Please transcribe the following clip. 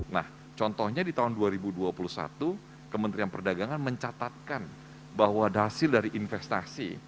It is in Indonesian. nah contohnya di tahun dua ribu dua puluh satu kementerian perdagangan mencatatkan bahwa hasil dari investasi